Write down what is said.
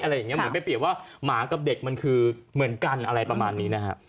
เหมือนไปเปรียบว่าหมากับเด็กมันคือเหมือนกันอะไรประมาณนี้นะฮะ